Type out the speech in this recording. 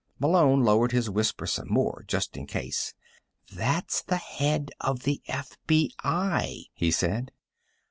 Malone lowered his whisper some more, just in case. "That's the head of the FBI," he said.